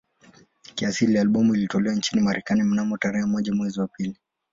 Kiasili albamu ilitolewa nchini Marekani mnamo tarehe moja mwezi wa pili